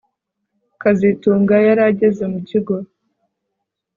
kazitunga yari ageze mu kigo